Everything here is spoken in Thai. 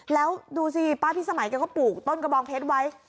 แล้วดูสิป้าพิสมัยแกก็ปลูกต้นกระบองเพชรไว้